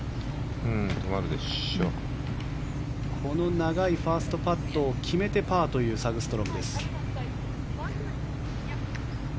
この長いファーストパットを決めてパーという、サグストロムです。